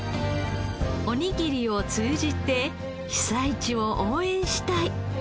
おにぎりを通じて被災地を応援したい。